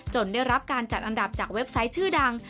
ได้รับการจัดอันดับจากเว็บไซต์ชื่อดัง